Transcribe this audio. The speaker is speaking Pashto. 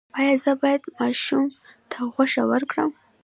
ایا زه باید ماشوم ته غوښه ورکړم؟